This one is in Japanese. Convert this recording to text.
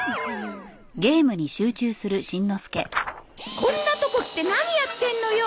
こんなとこ来て何やってんのよ！？